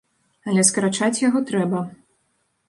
Але скарачаць яго трэба.